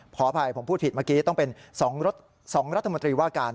ขออภัยผมพูดผิดเมื่อกี้ต้องเป็น๒รัฐมนตรีว่าการ